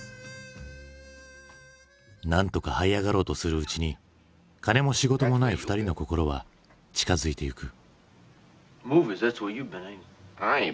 なんとかはい上がろうとするうちに金も仕事もない２人の心は近づいてゆく。